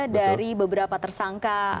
dari beberapa tersangka